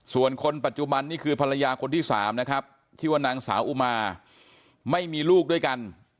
ส่วนคนปัจจุบันนี่คือภรรยาคนที่สามนะครับชื่อว่านางสาวอุมาไม่มีลูกด้วยกัน